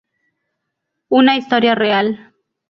Una historia real.